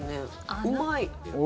うまい。